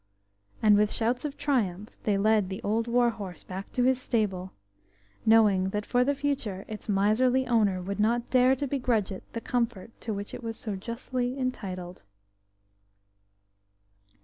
And with shouts of triumph they led the old war horse back to his stable, knowing that for the future its miserly owner would not dare to begrudge it the comfort to which it was so justly entitled.